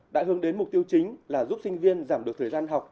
đã hướng đến mục tiêu chính là giúp sinh viên giảm được thời gian học